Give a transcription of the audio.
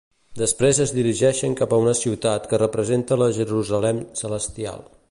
Després es dirigeixen cap a una ciutat que representa la Jerusalem celestial.